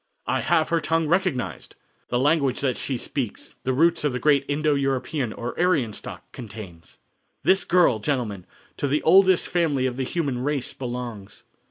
"I have her tongue recognized! The language that she speaks, the roots of the great Indo European, or Aryan stock, contains." "This girl, gentlemen, to the oldest family of the human race belongs.